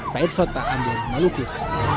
syed sota ambil melukir